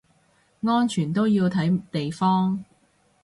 安全都要睇地方